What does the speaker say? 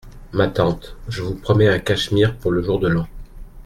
Ma tante, je vous promets un cachemire pour le jour de l’an.